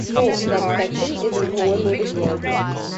Note that "spectrum" is an overloaded word.